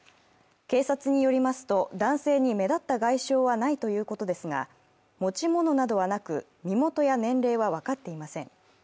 警察によりますと、男性に目立った外傷はないということですが、持ち物などはなく、身元や年齢は分かっていません。